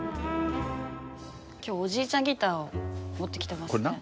今日おじいちゃんギターを持ってきてますね。